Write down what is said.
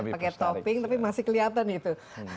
pakai topping tapi masih kelihatan itu